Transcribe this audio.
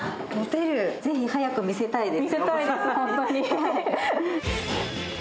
ぜひ早く見せたいです。